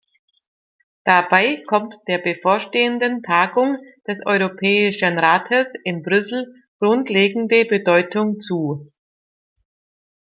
Dabei kommt der bevorstehenden Tagung des Europäischen Rates in Brüssel grundlegende Bedeutung zu.